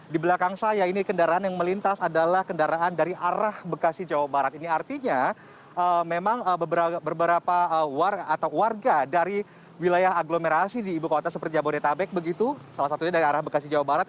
di belakang saya ini kendaraan yang melintas adalah kendaraan dari arah bekasi jawa barat